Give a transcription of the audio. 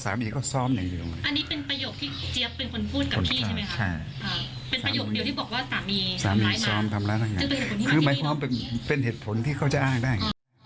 สามีซ้อมทำร้ายมาคือหมายความเป็นเหตุผลที่เขาจะอ้างได้